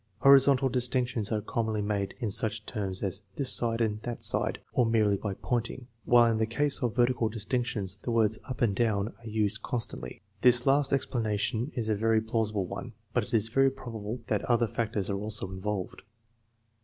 Horizontal distinctions are commonly made in such terms as this side and that side, or merely by pointing, while in the case of vertical distinctions the words up and down are used constantly. This last explanation is a very plausible one, but it is very probable that other factors are also involved.